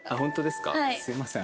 すみません。